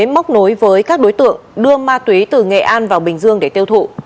móc nối với các đối tượng đưa ma túy từ nghệ an vào bình dương để tiêu thụ